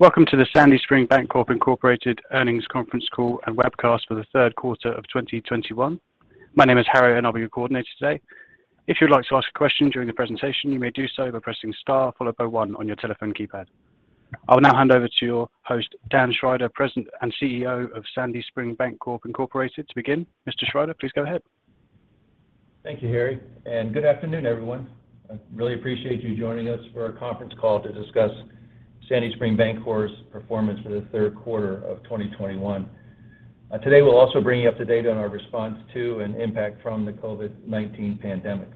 Welcome to the Sandy Spring Bancorp, Inc. earnings conference call and webcast for the third quarter of 2021. My name is Harry, and I'll be your coordinator today. If you'd like to ask a question during the presentation, you may do so by pressing star one on your telephone keypad. I'll now hand over to your host, Dan Schrider, President and CEO of Sandy Spring Bancorp, Inc. to begin. Mr. Schrider, please go ahead. Thank you, Harry. Good afternoon, everyone. I really appreciate you joining us for our conference call to discuss Sandy Spring Bancorp's performance for the third quarter of 2021. Today, we'll also bring you up to date on our response to and impact from the COVID-19 pandemic.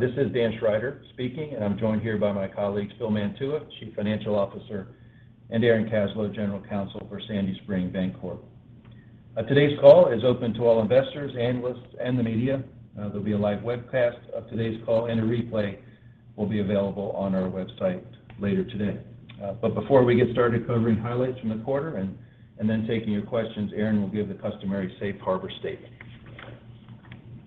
This is Dan Schrider speaking, and I'm joined here by my colleagues, Phil Mantua, Chief Financial Officer, and Aaron Kaslow, General Counsel for Sandy Spring Bancorp. Today's call is open to all investors, analysts, and the media. There'll be a live webcast of today's call, and a replay will be available on our website later today. Before we get started covering highlights from the quarter and then taking your questions, Aaron will give the customary safe harbor statement.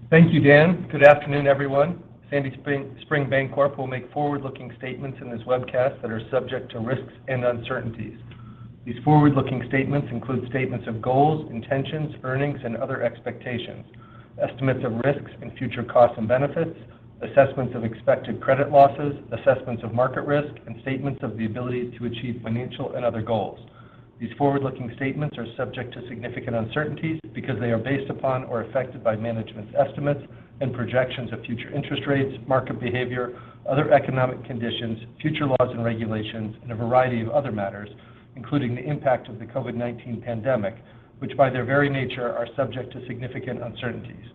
Thank you, Dan. Good afternoon, everyone. Sandy Spring Bancorp will make forward-looking statements in this webcast that are subject to risks and uncertainties. These forward-looking statements include statements of goals, intentions, earnings, and other expectations, estimates of risks and future costs and benefits, assessments of expected credit losses, assessments of market risk, and statements of the ability to achieve financial and other goals. These forward-looking statements are subject to significant uncertainties because they are based upon or affected by management's estimates and projections of future interest rates, market behavior, other economic conditions, future laws and regulations, and a variety of other matters, including the impact of the COVID-19 pandemic, which, by their very nature, are subject to significant uncertainties.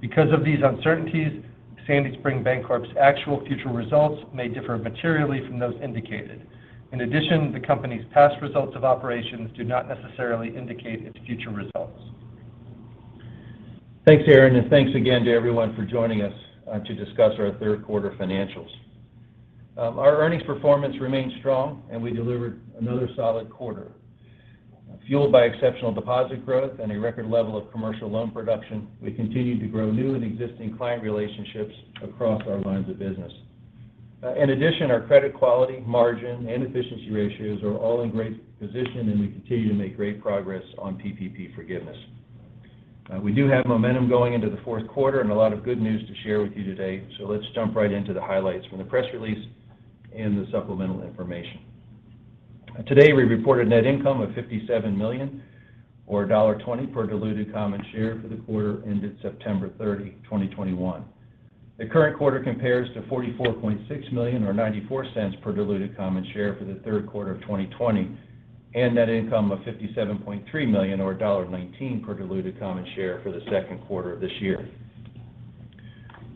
Because of these uncertainties, Sandy Spring Bancorp's actual future results may differ materially from those indicated. In addition, the company's past results of operations do not necessarily indicate its future results. Thanks, Aaron, and thanks again to everyone for joining us to discuss our third quarter financials. Our earnings performance remains strong, and we delivered another solid quarter. Fueled by exceptional deposit growth and a record level of commercial loan production, we continue to grow new and existing client relationships across our lines of business. In addition, our credit quality, margin, and efficiency ratios are all in great position, and we continue to make great progress on PPP forgiveness. We do have momentum going into the fourth quarter and a lot of good news to share with you today. Let's jump right into the highlights from the press release and the supplemental information. Today, we reported net income of $57 million, or $1.20 per diluted common share for the quarter ended September 30, 2021. The current quarter compares to $44.6 million or $0.94 per diluted common share for the third quarter of 2020 and net income of $57.3 million or $1.19 per diluted common share for the second quarter of this year.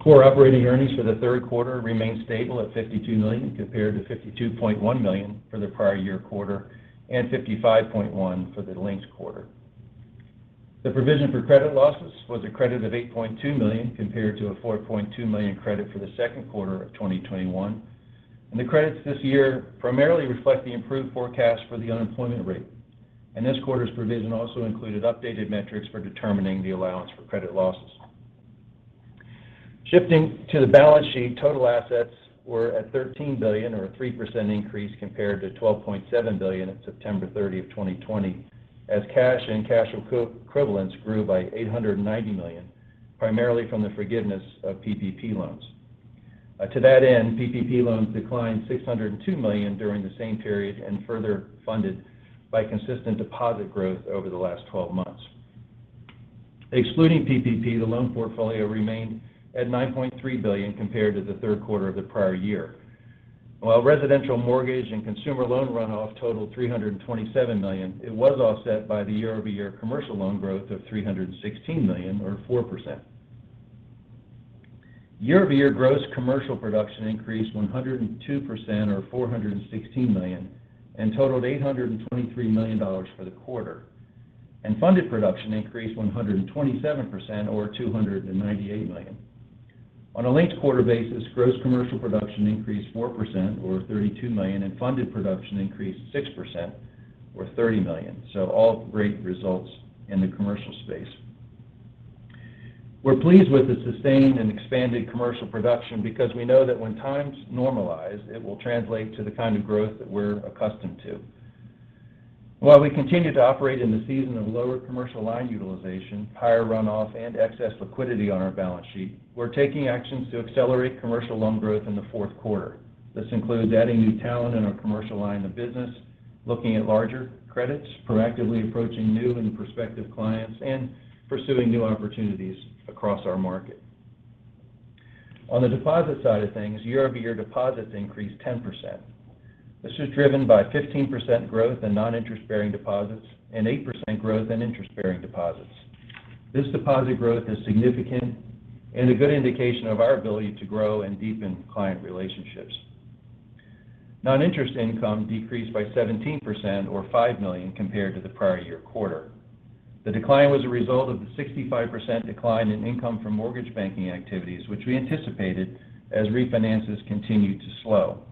Core operating earnings for the third quarter remained stable at $52 million compared to $52.1 million for the prior year quarter and $55.1 million for the linked quarter. The provision for credit losses was a credit of $8.2 million compared to a $4.2 million credit for the second quarter of 2021. The credits this year primarily reflect the improved forecast for the unemployment rate. This quarter's provision also included updated metrics for determining the allowance for credit losses. Shifting to the balance sheet, total assets were at $13 billion or a 3% increase compared to $12.7 billion at September 30, 2020, as cash and cash equivalents grew by $890 million, primarily from the forgiveness of PPP loans. To that end, PPP loans declined $602 million during the same period and further funded by consistent deposit growth over the last 12 months. Excluding PPP, the loan portfolio remained at $9.3 billion compared to the third quarter of the prior year. While residential mortgage and consumer loan runoff totaled $327 million, it was offset by the year-over-year commercial loan growth of $316 million or 4%. Year-over-year gross commercial production increased 102% or $416 million and totaled $823 million for the quarter. Funded production increased 127% or $298 million. On a linked-quarter basis, gross commercial production increased 4% or $32 million, and funded production increased 6% or $30 million. All great results in the commercial space. We're pleased with the sustained and expanded commercial production because we know that when times normalize, it will translate to the kind of growth that we're accustomed to. While we continue to operate in the season of lower commercial line utilization, higher runoff, and excess liquidity on our balance sheet, we're taking actions to accelerate commercial loan growth in the fourth quarter. This includes adding new talent in our commercial line of business, looking at larger credits, proactively approaching new and prospective clients, and pursuing new opportunities across our market. On the deposit side of things, year-over-year deposits increased 10%. This was driven by 15% growth in non-interest-bearing deposits and 8% growth in interest-bearing deposits. This deposit growth is significant and a good indication of our ability to grow and deepen client relationships. Non-interest income decreased by 17% or $5 million compared to the prior year quarter. The decline was a result of the 65% decline in income from mortgage banking activities, which we anticipated as refinances continued to slow.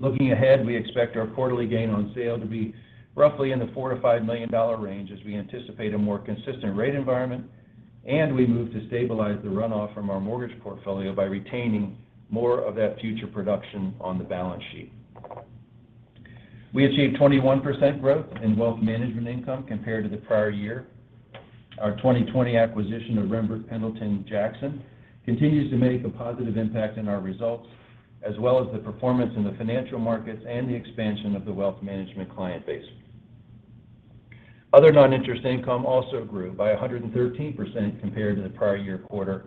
Looking ahead, we expect our quarterly gain on sale to be roughly in the $4 million-$5 million range as we anticipate a more consistent rate environment. We moved to stabilize the runoff from our mortgage portfolio by retaining more of that future production on the balance sheet. We achieved 21% growth in wealth management income compared to the prior year. Our 2020 acquisition of Rembert Pendleton Jackson continues to make a positive impact in our results, as well as the performance in the financial markets and the expansion of the wealth management client base. Other non-interest income also grew by 113% compared to the prior year quarter,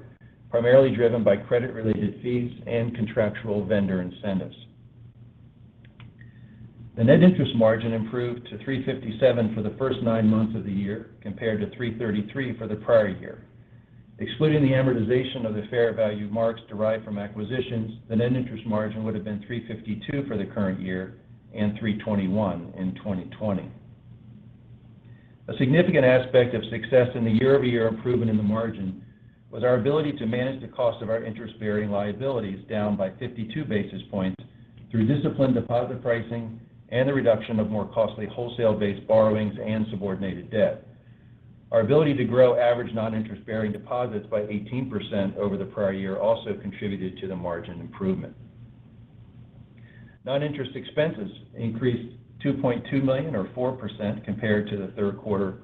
primarily driven by credit-related fees and contractual vendor incentives. The net interest margin improved to 357 basis points for the first nine months of the year, compared to 333 basis points for the prior year. Excluding the amortization of the fair value marks derived from acquisitions, the net interest margin would have been 352 basis points for the current year and 321 basis points in 2020. A significant aspect of success in the year-over-year improvement in the margin was our ability to manage the cost of our interest-bearing liabilities, down by 52 basis points through disciplined deposit pricing and the reduction of more costly wholesale-based borrowings and subordinated debt. Our ability to grow average non-interest-bearing deposits by 18% over the prior year also contributed to the margin improvement. Non-interest expenses increased $2.2 million, or 4%, compared to the third quarter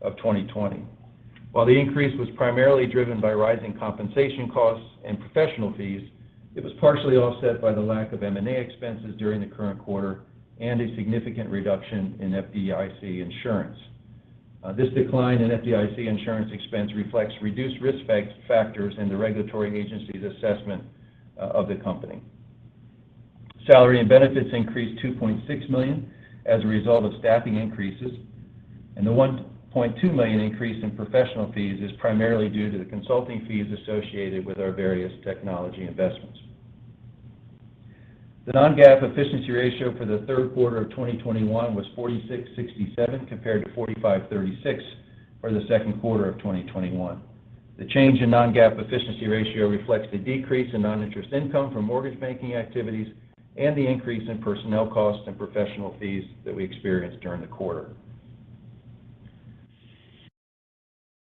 of 2020. While the increase was primarily driven by rising compensation costs and professional fees, it was partially offset by the lack of M&A expenses during the current quarter and a significant reduction in FDIC insurance. This decline in FDIC insurance expense reflects reduced risk factors in the regulatory agency's assessment of the company. Salary and benefits increased $2.6 million as a result of staffing increases, and the $1.2 million increase in professional fees is primarily due to the consulting fees associated with our various technology investments. The non-GAAP efficiency ratio for the third quarter of 2021 was 4667, compared to 45.36% for the second quarter of 2021. The change in non-GAAP efficiency ratio reflects the decrease in non-interest income from mortgage banking activities and the increase in personnel costs and professional fees that we experienced during the quarter.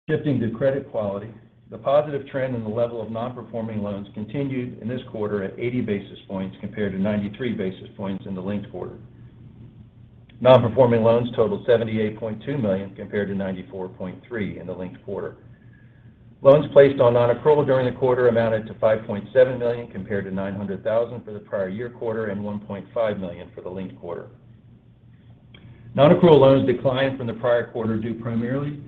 Shifting to credit quality, the positive trend in the level of non-performing loans continued in this quarter at 80 basis points, compared to 93 basis points in the linked quarter. Non-performing loans totaled $78.2 million compared to $94.3 in the linked quarter. Loans placed on nonaccrual during the quarter amounted to $5.7 million, compared to $900,000 for the prior year quarter and $1.5 million for the linked quarter. Nonaccrual loans declined from the prior quarter due primarily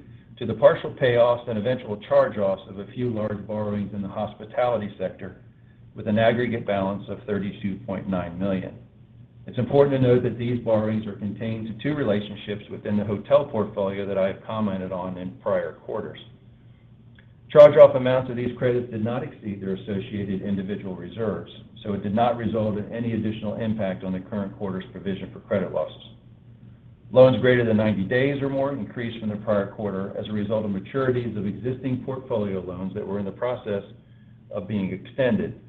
to the partial payoffs and eventual charge-offs of a few large borrowings in the hospitality sector with an aggregate balance of $32.9 million. It's important to note that these borrowings are contained to two relationships within the hotel portfolio that I have commented on in prior quarters. Charge-off amounts of these credits did not exceed their associated individual reserves, so it did not result in any additional impact on the current quarter's provision for credit losses. Loans greater than 90 days or more increased from the prior quarter as a result of maturities of existing portfolio loans that were in the process of being extended.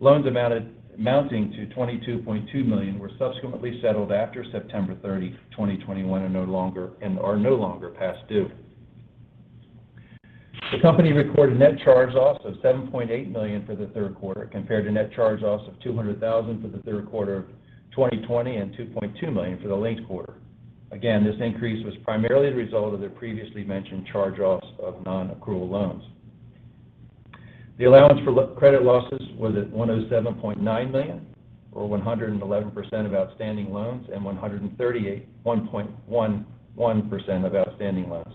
Loans amounting to $22.2 million were subsequently settled after September 30, 2021 and are no longer past due. The company recorded net charge-offs of $7.8 million for the third quarter, compared to net charge-offs of $200,000 for the third quarter of 2020 and $2.2 million for the linked quarter. Again, this increase was primarily the result of the previously mentioned charge-offs of nonaccrual loans. The allowance for credit losses was at $107.9 million, or 111% of outstanding loans and 138.11% of outstanding loans,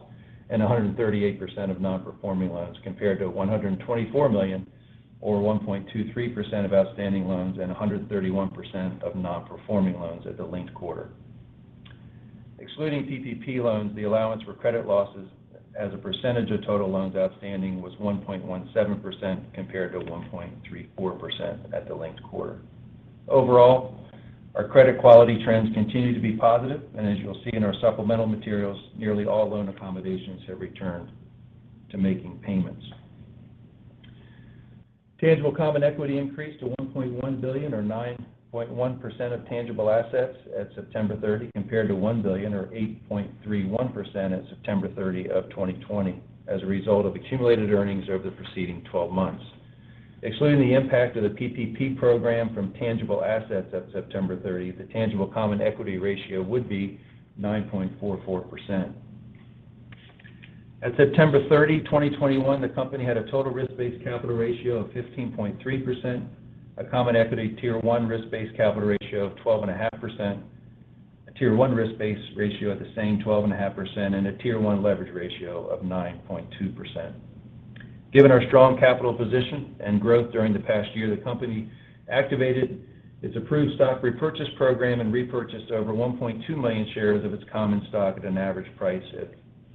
and 138% of non-performing loans, compared to $124 million or 1.23% of outstanding loans and 131% of non-performing loans at the linked quarter. Excluding PPP loans, the allowance for credit losses as a percentage of total loans outstanding was 1.17%, compared to 1.34% at the linked quarter. Overall, our credit quality trends continue to be positive, and as you'll see in our supplemental materials, nearly all loan accommodations have returned to making payments. Tangible common equity increased to $1.1 billion, or 9.1% of tangible assets at September 30, compared to $1 billion, or 8.31% at September 30 of 2020 as a result of accumulated earnings over the preceding 12 months. Excluding the impact of the PPP program from tangible assets at September 30, the tangible common equity ratio would be 9.44%. At September 30, 2021, the company had a total risk-based capital ratio of 15.3%, a common equity Tier 1 risk-based capital ratio of 12.5%, a Tier 1 risk-based ratio at the same 12.5%, and a Tier 1 leverage ratio of 9.2%. Given our strong capital position and growth during the past year, the company activated its approved stock repurchase program and repurchased over 1.2 million shares of its common stock at an average price at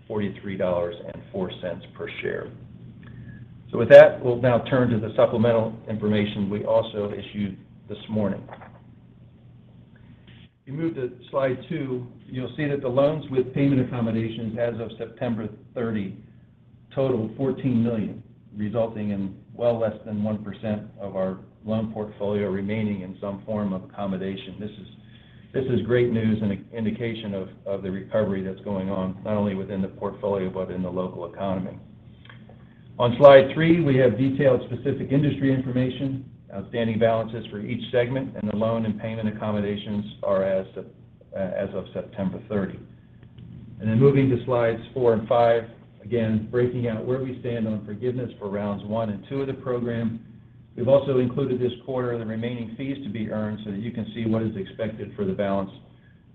$43.04 per share. With that, we'll now turn to the supplemental information we also issued this morning. If you move to slide two, you'll see that the loans with payment accommodations as of September 30 total $14 million. Resulting in well less than 1% of our loan portfolio remaining in some form of accommodation. This is great news and an indication of the recovery that's going on, not only within the portfolio, but in the local economy. On slide three, we have detailed specific industry information, outstanding balances for each segment, the loan and payment accommodations are as of September 30. Moving to slides four and five, again, breaking out where we stand on forgiveness for rounds 1 and 2 of the program. We've also included this quarter, the remaining fees to be earned so that you can see what is expected for the balance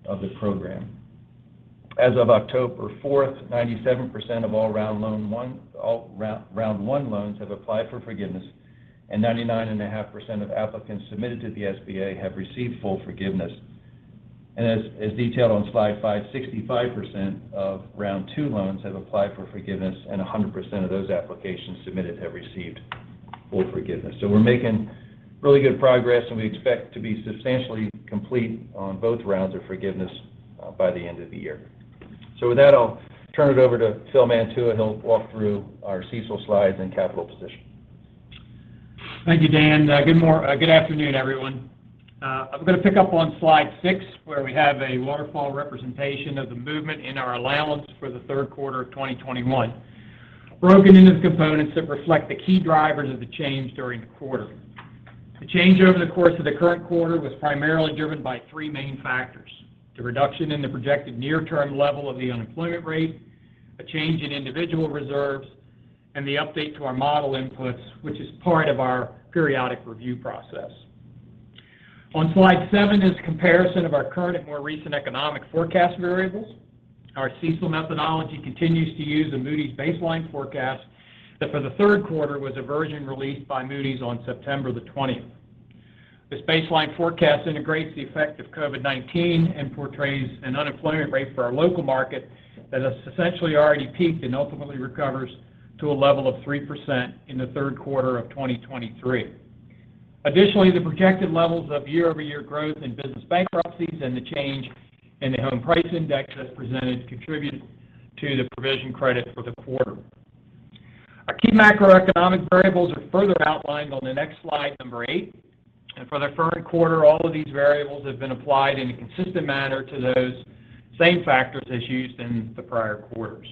of the program. As of October 4th, 97% of all round 1 loans have applied for forgiveness, 99.5% of applicants submitted to the SBA have received full forgiveness. As detailed on slide 5, 65% of round 2 loans have applied for forgiveness, 100% of those applications submitted have received full forgiveness. We're making really good progress, and we expect to be substantially complete on both rounds of forgiveness by the end of the year. With that, I'll turn it over to Phil Mantua, and he'll walk through our CECL slides and capital position. Thank you, Dan. Good afternoon, everyone. I'm going to pick up on slide six, where we have a waterfall representation of the movement in our allowance for the third quarter of 2021, broken into components that reflect the key drivers of the change during the quarter. The change over the course of the current quarter was primarily driven by three main factors, the reduction in the projected near term level of the unemployment rate, a change in individual reserves, and the update to our model inputs, which is part of our periodic review process. On slide seven is a comparison of our current and more recent economic forecast variables. Our CECL methodology continues to use the Moody's baseline forecast, that for the third quarter was a version released by Moody's on September the 20th. This baseline forecast integrates the effect of COVID-19 and portrays an unemployment rate for our local market that has essentially already peaked and ultimately recovers to a level of 3% in the third quarter of 2023. Additionally, the projected levels of year-over-year growth in business bankruptcies and the change in the home price index, as presented, contributed to the provision credit for the quarter. Our key macroeconomic variables are further outlined on the next slide, number eight. For the third quarter, all of these variables have been applied in a consistent manner to those same factors as used in the prior quarters.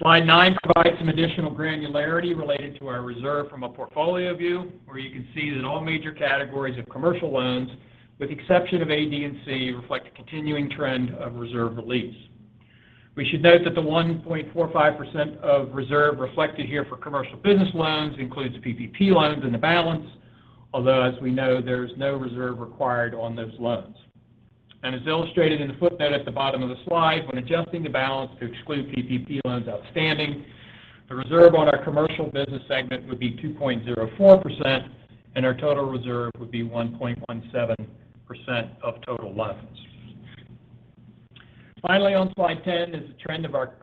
Slide nine provides some additional granularity related to our reserve from a portfolio view, where you can see that all major categories of commercial loans, with the exception of AD&C, reflect a continuing trend of reserve release. We should note that the 1.45% of reserve reflected here for commercial business loans includes the PPP loans and the balance, although as we know, there's no reserve required on those loans. As illustrated in the footnote at the bottom of the slide, when adjusting the balance to exclude PPP loans outstanding, the reserve on our commercial business segment would be 2.04%, and our total reserve would be 1.17% of total loans. Finally, on slide 10 is the trend of our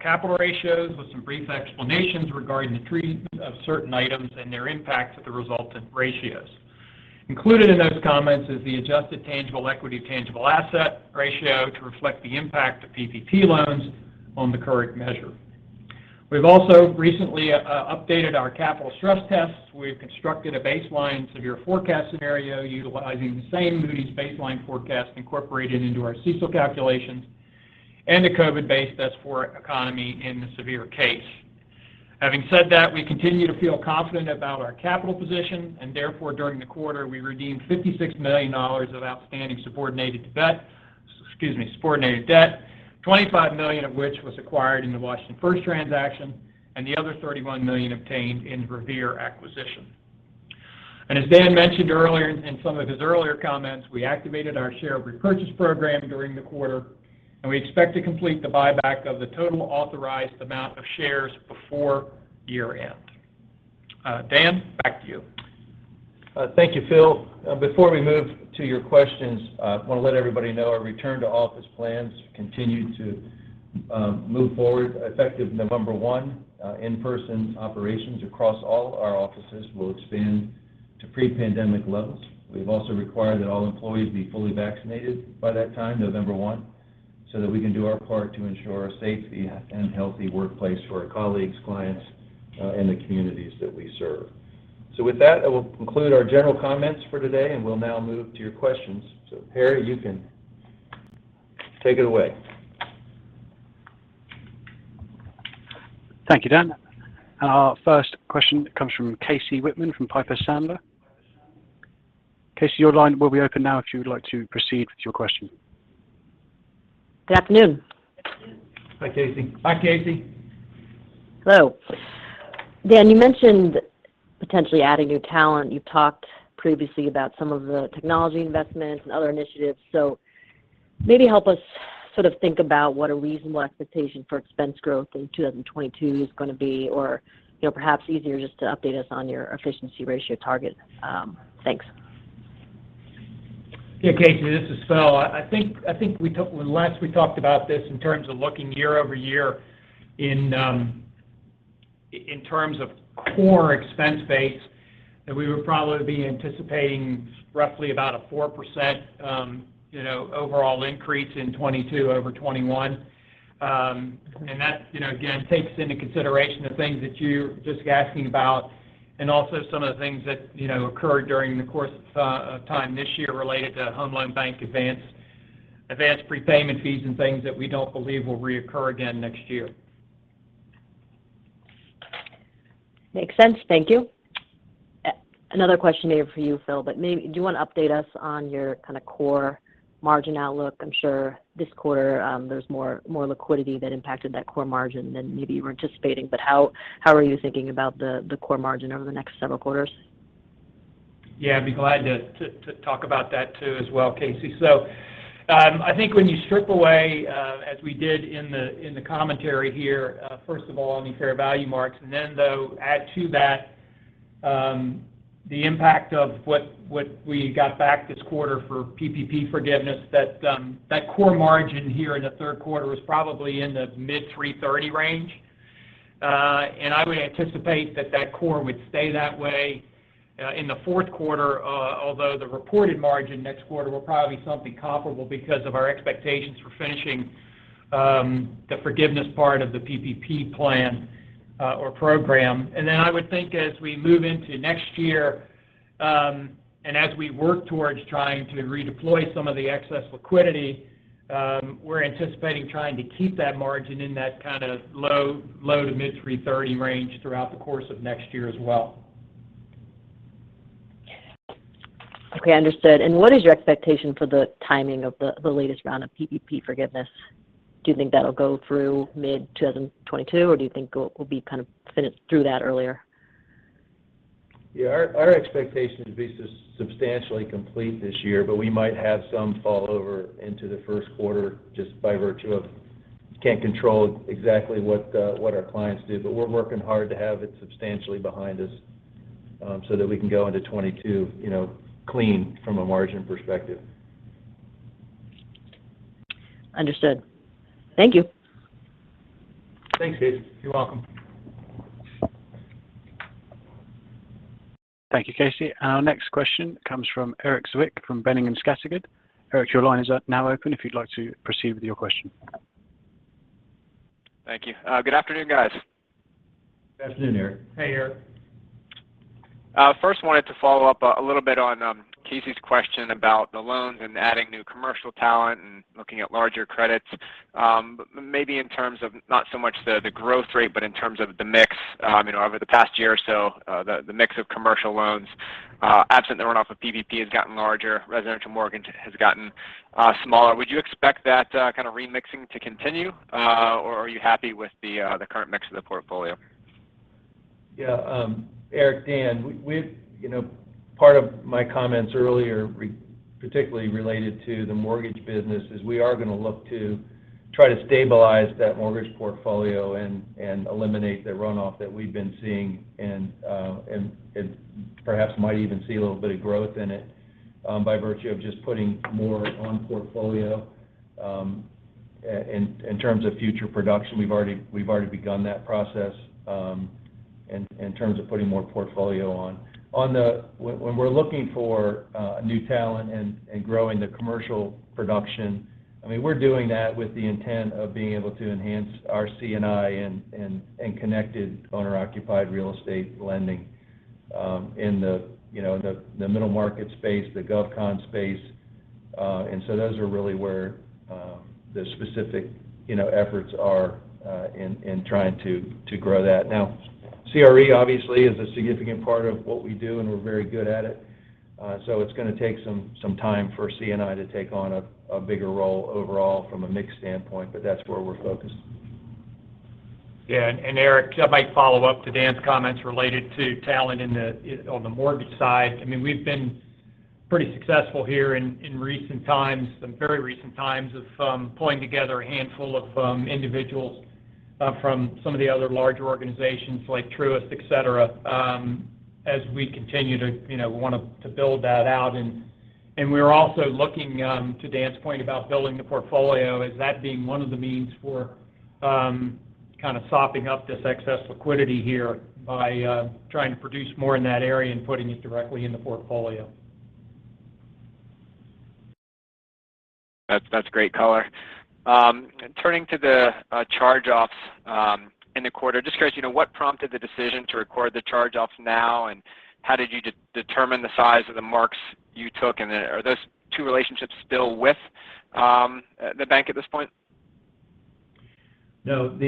capital ratios with some brief explanations regarding the treatment of certain items and their impact to the resultant ratios. Included in those comments is the adjusted tangible equity, tangible asset ratio to reflect the impact of PPP loans on the current measure. We've also recently updated our capital stress tests. We've constructed a baseline severe forecast scenario utilizing the same Moody's baseline forecast incorporated into our CECL calculations and a COVID based adverse economy in the severe case. Therefore, we continue to feel confident about our capital position, during the quarter, we redeemed $56 million of outstanding subordinated debt, $25 million of which was acquired in the WashingtonFirst transaction and the other $31 million obtained in Revere acquisition. As Dan mentioned earlier in some of his earlier comments, we activated our share repurchase program during the quarter, and we expect to complete the buyback of the total authorized amount of shares before year-end. Dan, back to you. Thank you, Phil. Before we move to your questions, I want to let everybody know our return to office plans continue to move forward. Effective November 1, in-person operations across all our offices will expand to pre-pandemic levels. We've also required that all employees be fully vaccinated by that time, November 1, so that we can do our part to ensure a safe and healthy workplace for our colleagues, clients, and the communities that we serve. With that, I will conclude our general comments for today, and we'll now move to your questions. Harry, you can take it away. Thank you, Dan. Our first question comes from Casey Whitman from Piper Sandler. Casey, your line will be open now if you would like to proceed with your question. Good afternoon. Hi, Casey. Hi, Casey. Dan, you mentioned potentially adding new talent. You've talked previously about some of the technology investments and other initiatives. Maybe help us sort of think about what a reasonable expectation for expense growth in 2022 is going to be, or perhaps easier just to update us on your efficiency ratio target. Thanks. Yeah, Casey, this is Phil. I think last we talked about this in terms of looking year-over-year in terms of core expense base. We would probably be anticipating roughly about a 4% overall increase in 2022 over 2021. That, again, takes into consideration the things that you're just asking about, and also some of the things that occurred during the course of time this year related to Home Loan Bank advance prepayment fees and things that we don't believe will reoccur again next year. Makes sense. Thank you. Another question maybe for you, Phil, but maybe do you want to update us on your kind of core margin outlook? I'm sure this quarter there's more liquidity that impacted that core margin than maybe you were anticipating, but how are you thinking about the core margin over the next several quarters? Yeah, I'd be glad to talk about that too as well, Casey. I think when you strip away, as we did in the commentary here, first of all any fair value marks, and then though add to that the impact of what we got back this quarter for PPP forgiveness, that core margin here in the third quarter was probably in the mid 330 range. I would anticipate that that core would stay that way in the fourth quarter, although the reported margin next quarter will probably be something comparable because of our expectations for finishing the forgiveness part of the PPP plan or program. I would think as we move into next year, as we work towards trying to redeploy some of the excess liquidity, we're anticipating trying to keep that margin in that kind of low to mid 330 range throughout the course of next year as well. Okay, understood. What is your expectation for the timing of the latest round of PPP forgiveness? Do you think that'll go through mid-2022, or do you think we'll be kind of finished through that earlier? Yeah, our expectation is to be substantially complete this year, but we might have some fall over into the first quarter just by virtue of can't control exactly what our clients do. We're working hard to have it substantially behind us so that we can go into 2022 clean from a margin perspective. Understood. Thank you. Thanks, Casey. You're welcome. Thank you, Casey. Our next question comes from Erik Zwick from Hovde Group. Erik, your line is now open if you'd like to proceed with your question. Thank you. Good afternoon, guys. Good afternoon, Erik. Hey, Erik. First wanted to follow up a little bit on Casey's question about the loans and adding new commercial talent and looking at larger credits. Maybe in terms of not so much the growth rate, but in terms of the mix over the past year or so, the mix of commercial loans, absent the runoff of PPP has gotten larger, residential mortgage has gotten smaller. Would you expect that kind of remixing to continue? Or are you happy with the current mix of the portfolio? Yeah. Erik, Dan, part of my comments earlier, particularly related to the mortgage business, is we are going to look to try to stabilize that mortgage portfolio and eliminate the runoff that we've been seeing, and perhaps might even see a little bit of growth in it, by virtue of just putting more on portfolio. In terms of future production, we've already begun that process in terms of putting more portfolio on. When we're looking for new talent and growing the commercial production, we're doing that with the intent of being able to enhance our C&I and connected owner-occupied real estate lending in the middle market space, the GovCon space. Those are really where the specific efforts are in trying to grow that. Now, CRE obviously is a significant part of what we do, and we're very good at it. It's going to take some time for C&I to take on a bigger role overall from a mix standpoint, but that's where we're focused. Yeah, Erik, I might follow up to Dan's comments related to talent on the mortgage side. We've been pretty successful here in recent times, some very recent times, of pulling together a handful of individuals from some of the other larger organizations like Truist, et cetera, as we continue to want to build that out. We're also looking, to Dan's point about building the portfolio, is that being one of the means for kind of sopping up this excess liquidity here by trying to produce more in that area and putting it directly in the portfolio. That's great color. Turning to the charge-offs in the quarter, just curious, what prompted the decision to record the charge-offs now, and how did you determine the size of the marks you took, and are those two relationships still with the bank at this point? We've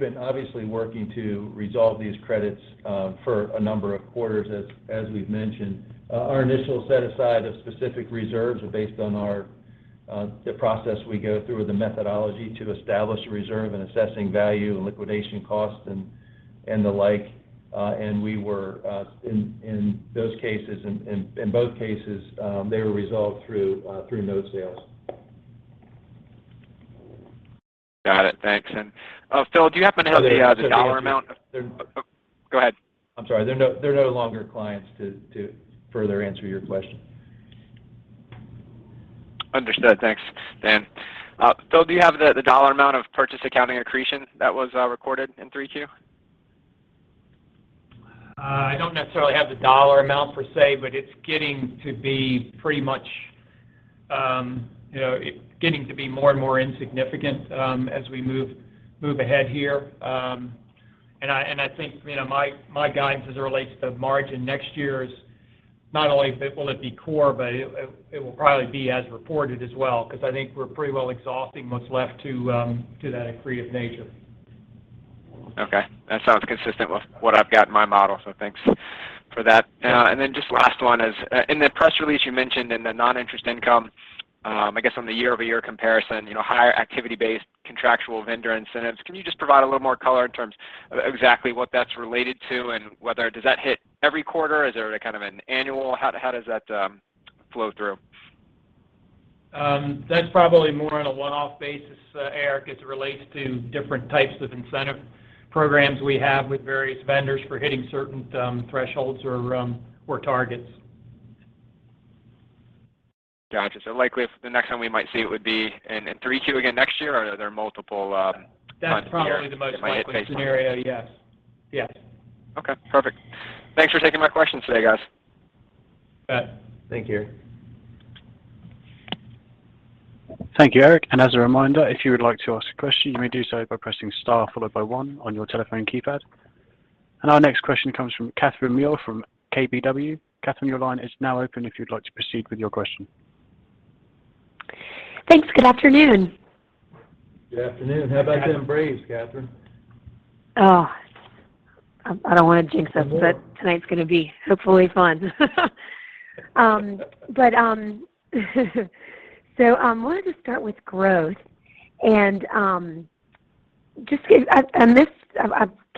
been obviously working to resolve these credits for a number of quarters, as we've mentioned. Our initial set aside of specific reserves were based on the process we go through, or the methodology to establish a reserve, and assessing value and liquidation costs, and the like. We were, in both cases, they were resolved through note sales. Got it. Thanks. Phil, do you happen to have the dollar amount? Go ahead. I'm sorry. They're no longer clients, to further answer your question. Understood. Thanks, Dan. Phil, do you have the dollar amount of purchase accounting accretion that was recorded in 3Q? I don't necessarily have the dollar amount per se, but it's getting to be more and more insignificant as we move ahead here. I think my guidance as it relates to the margin next year is not only will it be core, but it will probably be as reported as well, because I think we're pretty well exhausting what's left to that accretive nature. Okay. That sounds consistent with what I've got in my model. Thanks for that. Just last one is, in the press release you mentioned in the non-interest income, I guess on the year-over-year comparison, higher activity-based contractual vendor incentives. Can you just provide a little more color in terms exactly what that's related to and whether does that hit every quarter? Is there kind of an annual, how does that flow through? That's probably more on a one-off basis, Erik, as it relates to different types of incentive programs we have with various vendors for hitting certain thresholds or targets. Got you. Likely the next time we might see it would be in 3Q again next year, or are there multiple times a year? That's probably the most likely scenario, yes. Okay, perfect. Thanks for taking my questions today, guys. You bet. Thank you. Thank you, Erik. As a reminder, if you would like to ask a question, you may do so by pressing star followed by one on your telephone keypad. Our next question comes from Catherine Mealor from KBW. Catherine, your line is now open if you'd like to proceed with your question. Thanks. Good afternoon. Good afternoon. How about them Braves, Catherine? Oh, I don't want to jinx us. You may. tonight's going to be hopefully fun. I wanted to start with growth and I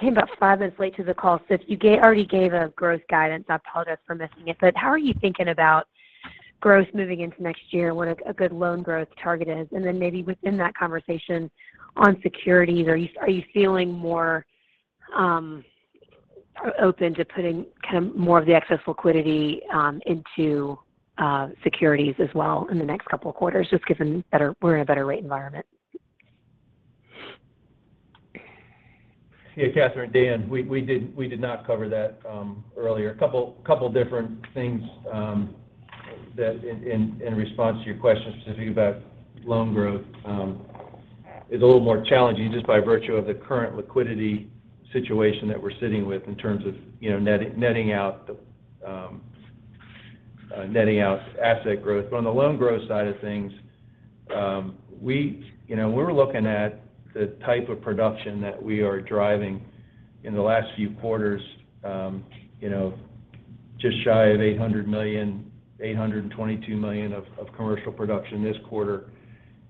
came about five minutes late to the call, so you already gave a growth guidance. Apologies for missing it. How are you thinking about growth moving into next year, what a good loan growth target is? Maybe within that conversation on securities, are you feeling more open to putting more of the excess liquidity into securities as well in the next couple of quarters, just given we're in a better rate environment? Yeah, Catherine, Dan, we did not cover that earlier. A couple different things in response to your question, specifically about loan growth. It's a little more challenging just by virtue of the current liquidity situation that we're sitting with in terms of netting out asset growth. On the loan growth side of things, we're looking at the type of production that we are driving in the last few quarters, just shy of $800 million, $822 million of commercial production this quarter.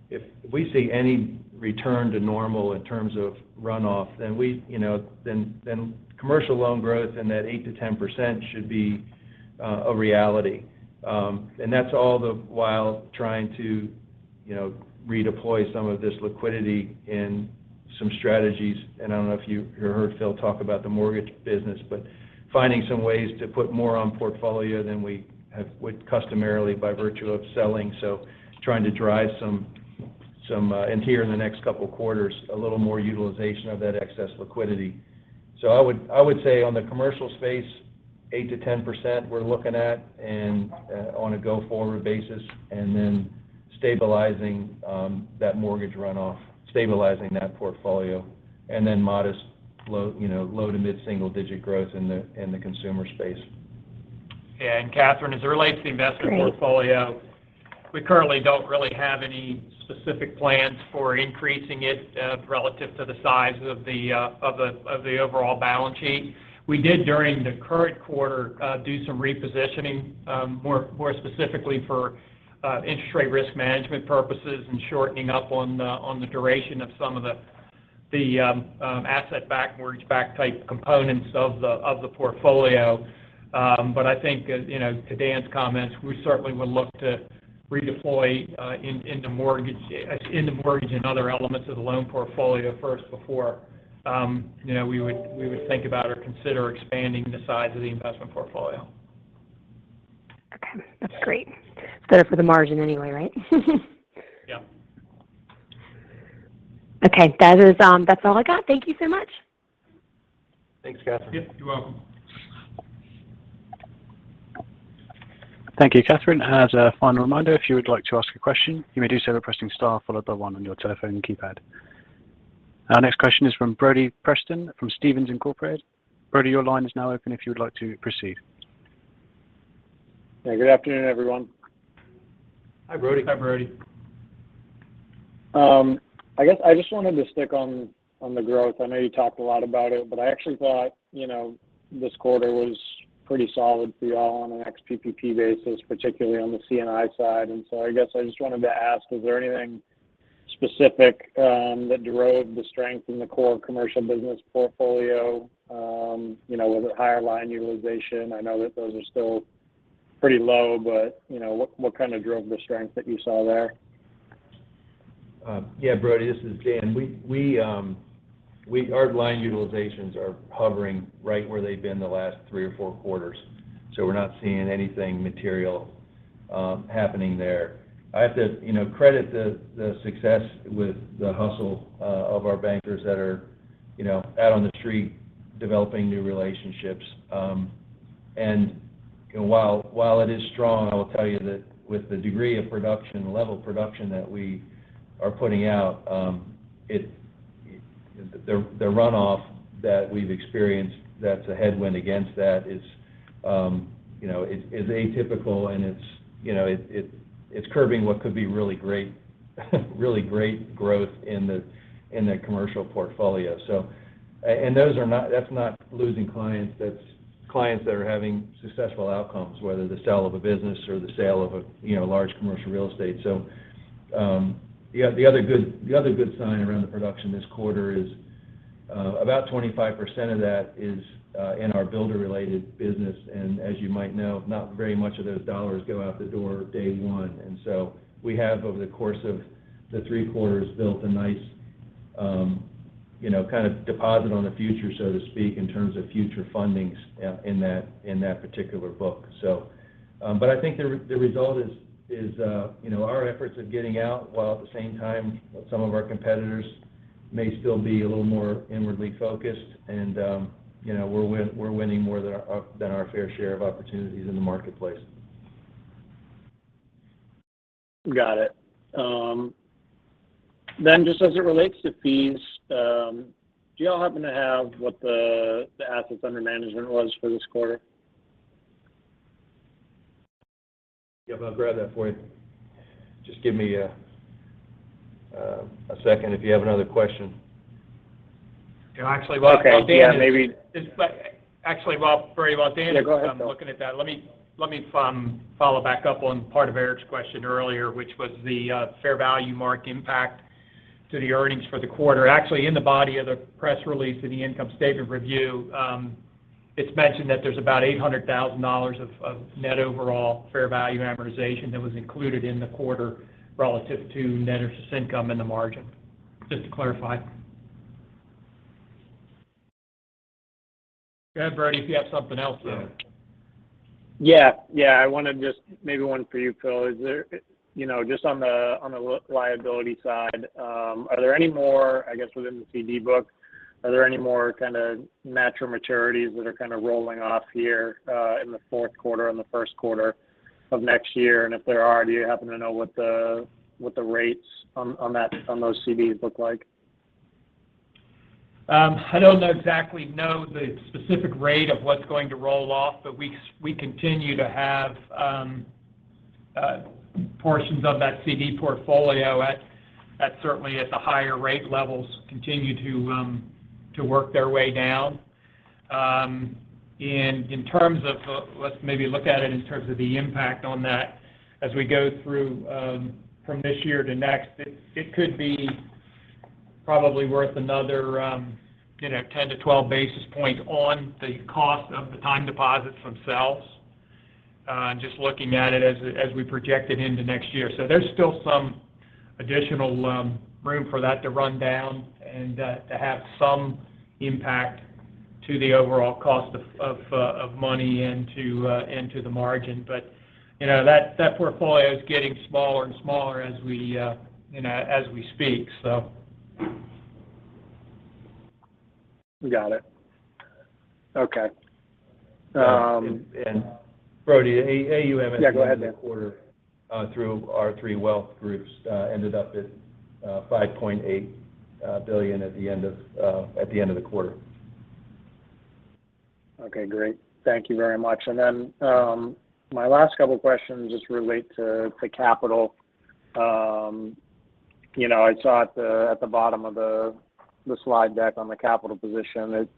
If we see any return to normal in terms of runoff, then commercial loan growth in that 8%-10% should be a reality. That's all the while trying to redeploy some of this liquidity in some strategies. I don't know if you heard Phil talk about the mortgage business, but finding some ways to put more on portfolio than we would customarily by virtue of selling. Trying to drive some, and here in the next couple quarters, a little more utilization of that excess liquidity. I would say on the commercial space, 8%-10% we're looking at on a go-forward basis, and then stabilizing that mortgage runoff, stabilizing that portfolio, and then modest low to mid-single digit growth in the consumer space. Yeah. Catherine, as it relates to the investment portfolio- Great we currently don't really have any specific plans for increasing it relative to the size of the overall balance sheet. We did, during the current quarter, do some repositioning, more specifically for interest rate risk management purposes and shortening up on the duration of some of the asset-backed, mortgage-backed type components of the portfolio. I think to Dan's comments, we certainly would look to redeploy into mortgage and other elements of the loan portfolio first before we would think about or consider expanding the size of the investment portfolio. Okay. That's great. It's better for the margin anyway, right? Yeah. Okay. That's all I got. Thank you so much. Thanks, Catherine. Yep, you're welcome. Thank you, Catherine. As a final reminder, if you would like to ask a question, you may do so by pressing star followed by one on your telephone keypad. Our next question is from Brody Preston from Stephens Inc.. Brody, your line is now open if you would like to proceed. Yeah, good afternoon, everyone. Hi, Brody. Hi, Brody. I guess I just wanted to stick on the growth. I know you talked a lot about it. I actually thought this quarter was pretty solid for you all on an ex-PPP basis, particularly on the C&I side. I guess I just wanted to ask, is there anything specific that drove the strength in the core commercial business portfolio? Was it higher line utilization? I know that those are still pretty low, but what kind of drove the strength that you saw there? Yeah, Brody, this is Dan. Our line utilizations are hovering right where they've been the last three or four quarters. We're not seeing anything material happening there. I have to credit the success with the hustle of our bankers that are out on the street developing new relationships. While it is strong, I will tell you that with the degree of production, level of production that we are putting out, the runoff that we've experienced that's a headwind against that is atypical and it's curbing what could be really great growth in the commercial portfolio. That's not losing clients, that's clients that are having successful outcomes, whether the sale of a business or the sale of a large commercial real estate. The other good sign around the production this quarter is about 25% of that is in our builder-related business, and as you might know, not very much of those dollars go out the door day one. We have, over the course of the three quarters, built a nice kind of deposit on the future, so to speak, in terms of future fundings in that particular book. I think the result is our efforts of getting out, while at the same time some of our competitors may still be a little more inwardly focused, and we're winning more than our fair share of opportunities in the marketplace. Got it. Just as it relates to fees, do y'all happen to have what the assets under management was for this quarter? Yep, I'll grab that for you. Just give me a second if you have another question. No, actually. Okay, yeah, maybe- Actually. Yeah, go ahead, Phil. looking at that, let me follow back up on part of Erik's question earlier, which was the fair value mark impact to the earnings for the quarter. Actually, in the body of the press release, in the income statement review, it's mentioned that there's about $800,000 of net overall fair value amortization that was included in the quarter relative to net interest income and the margin, just to clarify. Go ahead, Brody, if you have something else, though. Yeah. I want to just, maybe one for you, Phil. Just on the liability side, are there any more, I guess, within the CD book, are there any more kind of natural maturities that are kind of rolling off here in the fourth quarter and the first quarter of next year? If there are, do you happen to know what the rates on those CDs look like? I don't exactly know the specific rate of what's going to roll off, but we continue to have portions of that CD portfolio at, certainly at the higher rate levels, continue to work their way down. Let's maybe look at it in terms of the impact on that as we go through from this year to next. It could be probably worth another 10-12 basis points on the cost of the time deposits themselves, just looking at it as we project it into next year. There's still some additional room for that to run down and to have some impact to the overall cost of money and to the margin. That portfolio is getting smaller and smaller as we speak. Got it. Okay. Brody, AUM. Yeah, go ahead, Dan. at the end of the quarter through our three wealth groups ended up at $5.8 billion at the end of the quarter. Okay, great. Thank you very much. My last couple questions just relate to capital. I saw at the bottom of the slide deck on the capital position,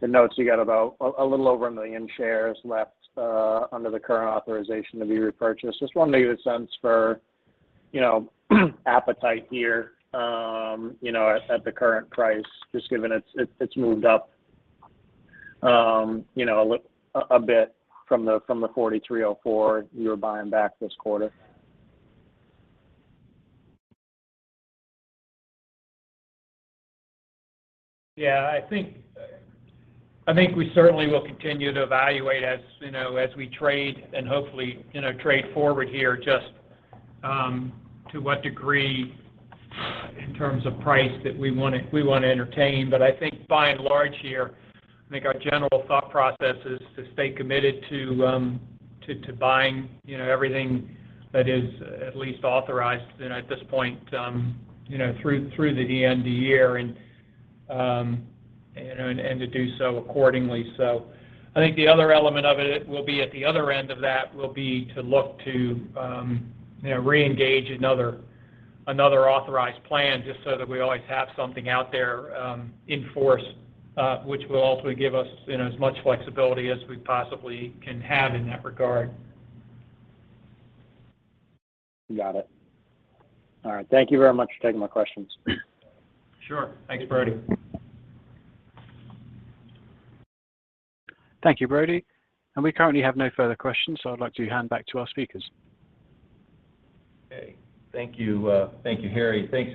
the notes, you got a little over 1 million shares left under the current authorization to be repurchased. Just wondering if it sense for appetite here at the current price, just given it's moved up a bit from the $43.04 you were buying back this quarter. Yeah, I think we certainly will continue to evaluate as we trade and hopefully trade forward here, just to what degree in terms of price that we want to entertain. I think by and large here, I think our general thought process is to stay committed to buying everything that is at least authorized at this point through the end of the year, and to do so accordingly. I think the other element of it will be at the other end of that will be to look to reengage another authorized plan just so that we always have something out there in force, which will ultimately give us as much flexibility as we possibly can have in that regard. Got it. All right. Thank you very much for taking my questions. Sure. Thanks, Brody. Thank you, Brody. We currently have no further questions, so I'd like to hand back to our speakers. Okay. Thank you, Harry. Thanks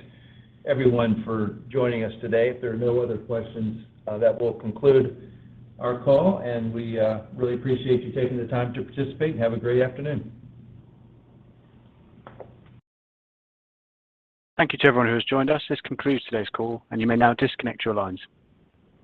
everyone for joining us today. If there are no other questions, that will conclude our call, and we really appreciate you taking the time to participate, and have a great afternoon. Thank you to everyone who has joined us. This concludes today's call, and you may now disconnect your lines.